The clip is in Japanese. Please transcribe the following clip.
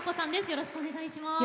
よろしくお願いします。